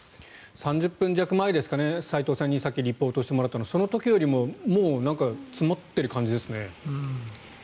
３０分弱前ですかね齋藤さんにさっきリポートしてもらったのその時よりももう、積もっている感じですね。